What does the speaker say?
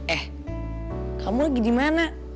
eh kamu lagi dimana